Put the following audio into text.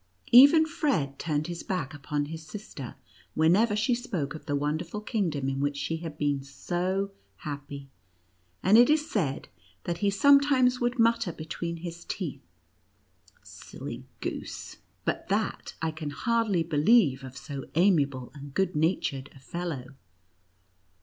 Even Fred turned his back upon his sister, whenever she spoke of the wonderful kingdom in which she had been so happy; and, it is said, that he sometimes would mutter between his teeth :" Silly goose !" But that I can hardly believe of so amiable and good natured a fellow.